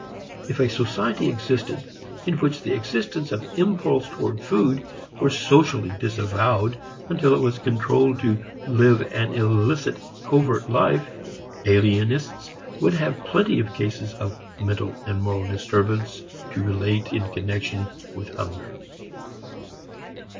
If a society existed in which the existence of impulse toward food were socially disavowed until it was compelled to live an illicit, covert life, alienists would have plenty of cases of mental and moral disturbance to relate in connection with hunger.